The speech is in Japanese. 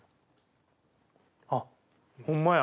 あっホンマや。